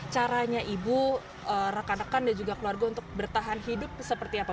caranya ibu rekan rekan dan juga keluarga untuk bertahan hidup seperti apa